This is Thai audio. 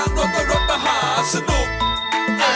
สวัสดีค่ะสวัสดีค่ะ